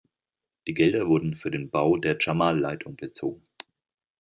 Die Gelder wurden für den Bau der Jamal-Leitung bezogen.